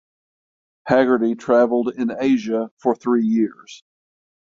Hagerty traveled in Asia for three years.